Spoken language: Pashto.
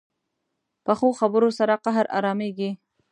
پخو خبرو سره قهر ارامېږي